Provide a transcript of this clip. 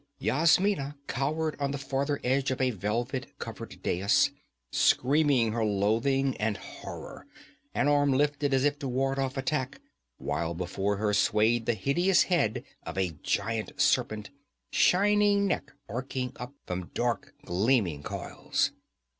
Yasmina cowered on the farther edge of a velvet covered dais, screaming her loathing and horror, an arm lifted as if to ward off attack, while before her swayed the hideous head of a giant serpent, shining neck arching up from dark gleaming coils.